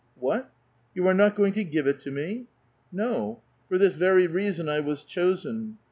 *' What ! You are not going to give it to me ?" No ! For this very reason I was chosen